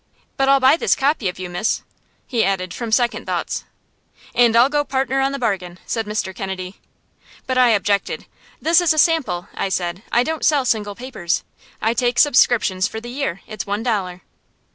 "But I'll buy this copy of you, Miss," he added, from second thoughts. "And I'll go partner on the bargain," said Mr. Kennedy. But I objected. "This is a sample," I said; "I don't sell single papers. I take subscriptions for the year. It's one dollar."